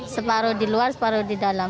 separuh di luar separuh di dalam